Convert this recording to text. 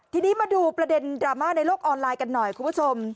ทีนี้มาดูประเด็นดราม่าในโลกออนไลน์กันหน่อยคุณผู้ชม